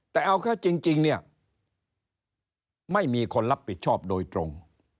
แต่เอาแค่จริงเนี่ยไม่มีคนรับผิดชอบโดยตรง